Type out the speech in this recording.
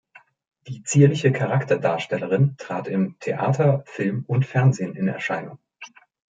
Die zierliche Charakterdarstellerin trat im Theater, Film und Fernsehen in Erscheinung.